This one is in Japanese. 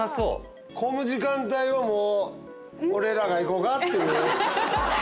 混む時間帯はもう俺らが行こかっていう。